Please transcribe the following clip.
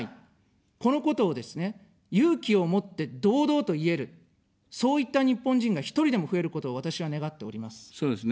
このことをですね、勇気を持って堂々と言える、そういった日本人が１人でも増えることを私は願っております。